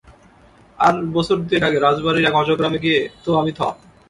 আর বছর দুয়েক আগে রাজবাড়ীর এক অজগ্রামে গিয়ে তো আমি থ।